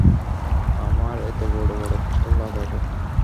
আমার এতো বড় বড় পোস্টার লাগাবে।